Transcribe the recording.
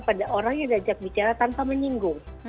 pada orang yang diajak bicara tanpa menyinggung